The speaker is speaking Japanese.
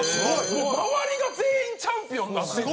もう周りが全員チャンピオンになってて。